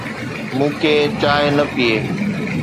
مون کي چانهه نه پيئي.